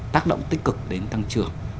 tác động tích cực đến tăng trưởng